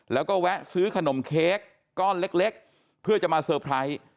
แล้วก็แวะซื้อขนมเค้กก้อนเล็กเพื่อจะมาเซอร์ไพรส์